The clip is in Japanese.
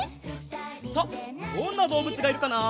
さあどんなどうぶつがいるかな？